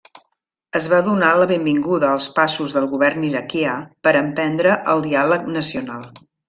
Es va donar la benvinguda als passos del govern iraquià per emprendre el diàleg nacional.